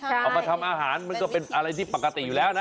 เอามาทำอาหารมันก็เป็นอะไรที่ปกติอยู่แล้วนะ